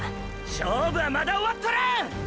勝負はまだ終わっとらん！！